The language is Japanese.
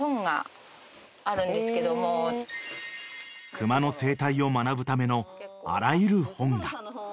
［熊の生態を学ぶためのあらゆる本が］